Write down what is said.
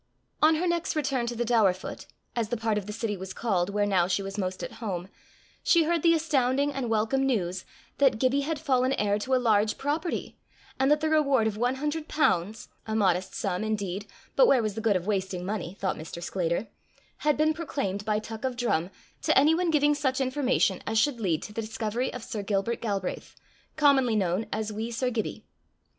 On her next return to the Daurfoot, as the part of the city was called where now she was most at home, she heard the astounding and welcome news that Gibbie had fallen heir to a large property, and that the reward of one hundred pounds a modest sum indeed, but where was the good of wasting money, thought Mr. Sclater had been proclaimed by tuck of drum, to any one giving such information as should lead to the discovery of Sir Gilbert Galbraith, commonly known as wee Sir Gibbie.